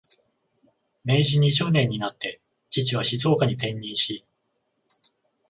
明治二十年になって、父は静岡に転任し、